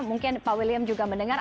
mungkin pak william juga mendengar